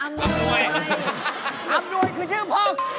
อำนวยอำนวยคือชื่อพ่อ